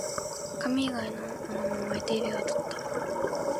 紙以外のものも燃えているようだった